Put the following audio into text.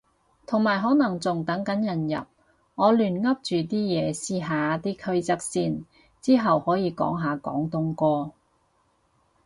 同埋可能仲等緊人入，我亂噏住啲嘢試下啲規則先。之後可以講下廣東歌？